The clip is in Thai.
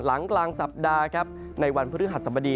หลังกลางสัปดาห์ครับในวันพฤหัสสบดี